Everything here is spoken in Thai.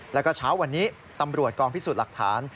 แล้วก็เช้าวันนี้ตำรวจกองพิสูจน์หลักฐาน